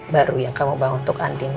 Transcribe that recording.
baru yang kamu bawa untuk andin